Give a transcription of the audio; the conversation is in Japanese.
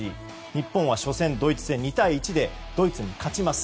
日本は初戦ドイツ戦でドイツに勝ちます。